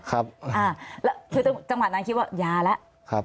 แล้วจังหวัดนั้นคิดว่ายาละ